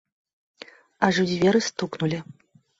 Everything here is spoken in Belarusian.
Аж у дзверы стукнулі.